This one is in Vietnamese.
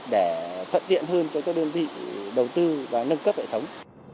để thuận tiện hơn cho các đơn vị đầu tư và nâng cấp hệ thống